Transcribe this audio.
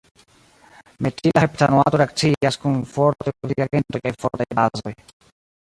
Metila heptanoato reakcias kun fortaj oksidigagentoj kaj fortaj bazoj.